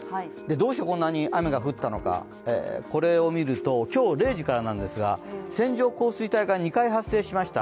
どうしてこんなに雨が降ったのか、これを見ると、今日０時からですが、線状降水帯が２回発生しました。